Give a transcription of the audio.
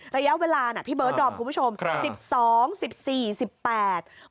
ระยะเวลาน่ะพี่เบิร์ดดอมคุณผู้ชม๑๒ธนวาส๑๔ธนวาส๑๘ธนวาส